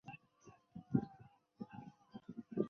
从此瑞典不再有能力与俄国争霸。